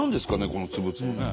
この粒々ね。